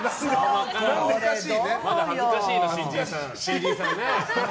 まだ恥ずかしいな、新人さん。